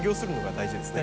大事ですね。